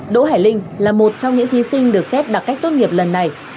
đỗ hải linh là một trong những thí sinh được xét đặc cách tốt nghiệp lần này